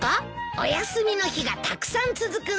お休みの日がたくさん続くんだよ。